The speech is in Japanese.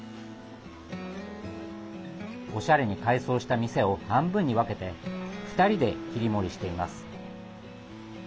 おしゃれに改装した店を半分に分けて２人で切り盛りしています。